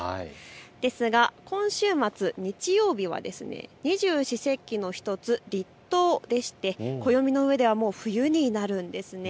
ですが今週末、日曜日は二十四節気の１つ立冬でして、暦の上ではもう冬になるんです。